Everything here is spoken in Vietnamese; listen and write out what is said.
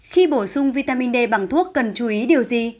khi bổ sung vitamin d bằng thuốc cần chú ý điều gì